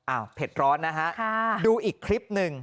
เผ็ดร้อนนะฮะดูอีกคลิปหนึ่ง